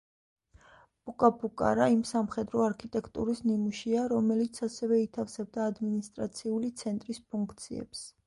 პუკა-პუკარა იმ სამხედრო არქიტექტურის ნიმუშია, რომელიც ასევე ითავსებდა ადმინისტრაციული ცენტრის ფუნქციებს.